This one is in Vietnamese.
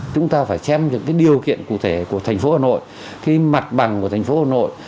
chúng ta phải xem những cái điều kiện cụ thể của thành phố hà nội khi mặt bằng của thành phố hà nội